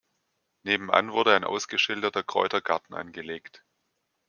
Nebenan wurde ein ausgeschilderter Kräutergarten angelegt.